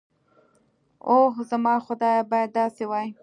اوح زما خدايه بايد داسې وي.